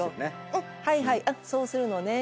「はいはいそうするのね。